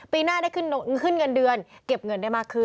ปีหน้าได้ขึ้นเงินเดือนเก็บเงินได้มากขึ้น